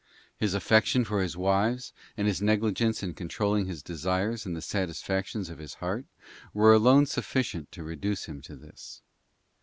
His affection for his wives, and his negligence in controlling his desires and the satisfactions of his heart, were alone sufficient to reduce him to this.